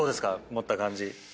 持った感じ。